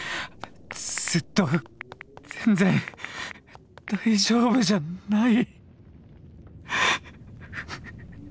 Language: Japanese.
ずっと全然大丈夫じゃない！